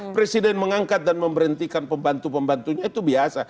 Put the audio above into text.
presiden mengangkat dan memberhentikan pembantu pembantunya itu biasa